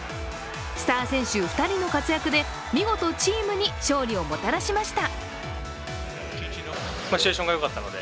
スター選手２人の活躍で、見事チームに勝利をもたらしました。